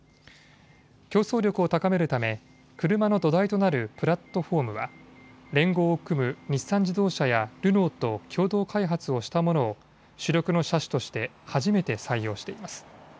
競争力を高めるため車の土台となるプラットフォームは連合を組む日産自動車やルノーと共同開発をしたものを主力の車種として初めて採用しています。